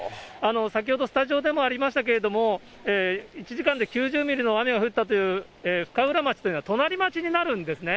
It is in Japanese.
先ほどスタジオでもありましたけれども、１時間で９０ミリの雨が降ったという深浦町というのは、隣町になるんですね。